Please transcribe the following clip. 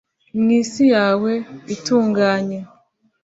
mwisi yawe itunganye